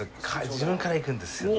自分からいくんですよね。